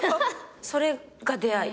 それが出会い。